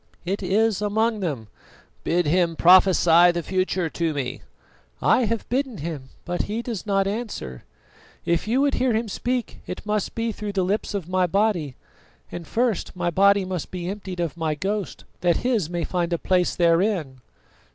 "It is among them." "Bid him prophesy the future to me." "I have bidden him, but he does not answer. If you would hear him speak, it must be through the lips of my body; and first my body must be emptied of my ghost, that his may find a place therein."